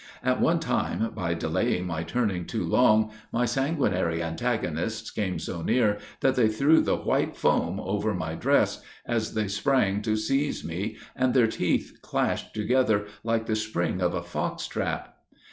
"At one time, by delaying my turning too long, my sanguinary antagonists came so near, that they threw the white foam over my dress, as they sprang to seize me, and their teeth clashed together like the spring of a fox trap!